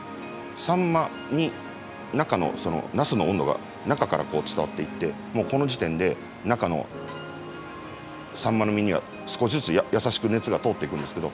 サンマに中の茄子の温度が中からこう伝わっていってもうこの時点で中のサンマの身には少しずつ優しく熱が通っていくんですけど。